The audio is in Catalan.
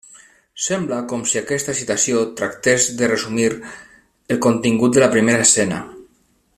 Sembla com si aquesta citació tractés de resumir el contingut de la primera escena.